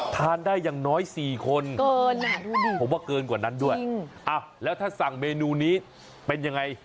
ทานได้อย่างน้อย๔คนผมว่าเกินกว่านั้นด้วยแล้วถ้าสั่งเมนูนี้เป็นยังไง